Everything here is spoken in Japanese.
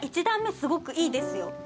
１段目すごくいいですよ。